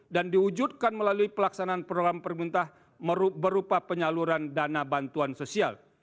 diwujudkan melalui pelaksanaan program pemerintah berupa penyaluran dana bantuan sosial